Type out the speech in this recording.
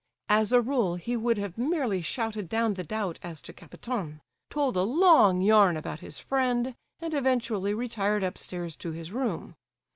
As a rule he would have merely shouted down the doubt as to Kapiton, told a long yarn about his friend, and eventually retired upstairs to his room.